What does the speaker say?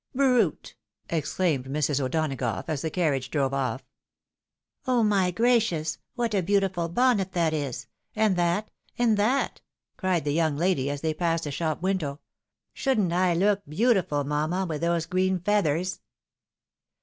"Brute!" exclaimed Mrs. O'Donagough, as the carriage drove off. " Oh ! my gracious — what a beautiful bonnet that is ! And that — and that," cried the young lady, as they passed a shop window ;" shouldn't I look beautiful, mamma, with those green feathers